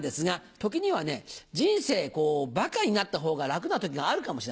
時には人生バカになったほうが楽な時があるかもしれません。